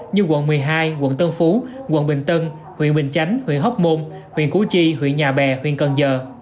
như quận một mươi hai quận tân phú quận bình tân huyện bình chánh huyện hóc môn huyện củ chi huyện nhà bè huyện cần giờ